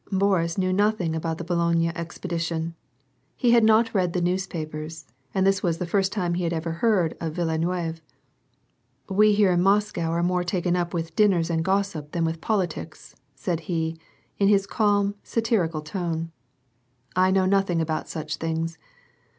Boris knew nothing about the Boulogne expedition ; he had not read the newspapers, and this was the first time he had ever heard of Villeneuve. " We here in IMoscow are more taken up with dinners and gossip than with politics," said he, in his calm, satirical tone. " I know nothing about such things.